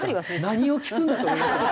何を聞くんだと思いましたよ。